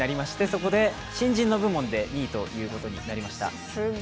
そこで新人の部門で２位ということになりました。